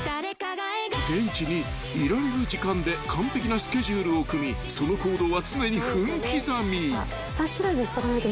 ［現地にいられる時間で完璧なスケジュールを組みその行動は常に分刻み］